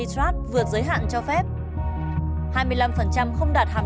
của sản phẩm